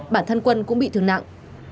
bản thân quân cũng bị thương nặng